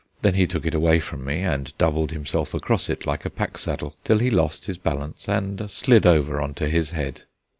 Then he took it away from me, and doubled himself across it like a pack saddle, till he lost his balance and slid over on to his head.